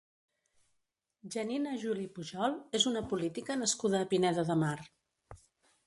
Janina Juli Pujol és una política nascuda a Pineda de Mar.